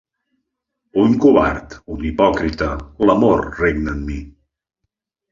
Un covard, un hipòcrita, l'amor regna en mi.